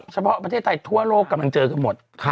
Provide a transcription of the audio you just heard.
เฉพาะประเทศไทยทั่วโลกกำลังเจอกันหมด